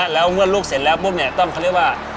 แล้วเมื่อลูกเสร็จแล้วปุ๊บเนี่ยต้องเขาเรียกว่า